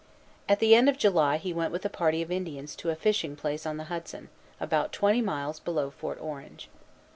At the end of July, he went with a party of Indians to a fishing place on the Hudson, about twenty miles below Fort Orange.